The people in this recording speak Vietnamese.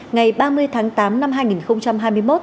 ngày ba mươi tháng tám năm hai nghìn hai mươi một